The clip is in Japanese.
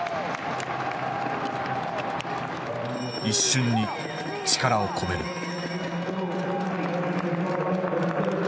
一瞬に力を込める。